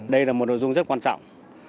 đây là một nội dung rất quan trọng